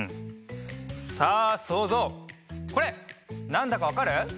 さあそうぞうこれなんだかわかる？